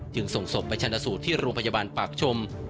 ส่งศพไปชนะสูตรที่โรงพยาบาลปากชม